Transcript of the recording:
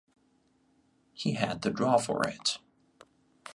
He had the draw for it.